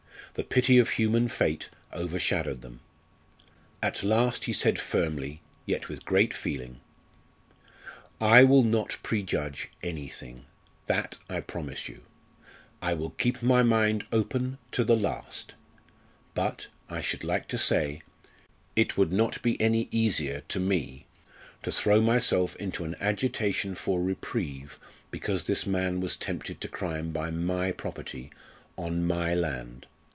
The pity of human fate overshadowed them. At last he said firmly, yet with great feeling: "I will not prejudge anything, that I promise you. I will keep my mind open to the last. But I should like to say it would not be any easier to me to throw myself into an agitation for reprieve because this man was tempted to crime by my property on my land.